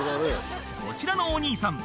こちらのお兄さん